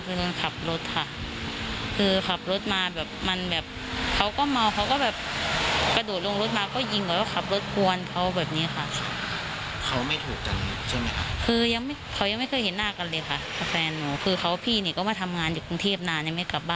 เพื่อว่าเหมือนให้ตำรวจเข้าใจว่าเขาจะต่อสู้